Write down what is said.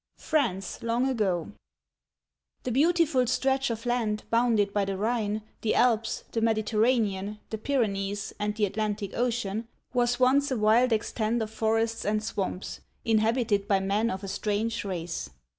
FRANCE LONG AGO THE beautiful stretch of land bounded by the Rhine, the Alps, the Mediterranean, the Pyr'enees, and the Atlantic Ocean was once a wild extent of forests and swamps, inhabited by men of a strange race.